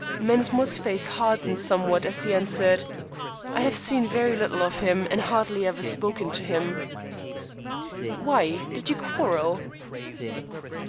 Mensmore's face hardened somewhat as he answered, "I have seen very little of him, and hardly ever spoken to him." "Why? Did you quarrel?"